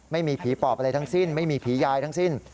ไม่มีผีปอบอะไรทั้งสิ้นไม่มีผียายทั้งสิ้น